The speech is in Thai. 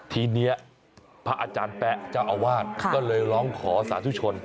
ทีนี้พระอาจารย์แป๊ะเจ้าอาวาสก็เลยร้องขอสาธุชน